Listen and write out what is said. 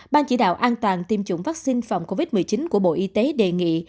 ban chỉ đạo an toàn tiêm chủng vaccine phòng covid một mươi chín của bộ y tế đề nghị